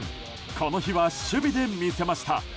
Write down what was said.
この日は守備で見せました。